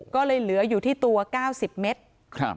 ก็เลยเหลืออยู่ที่ตัว๙๐เมตร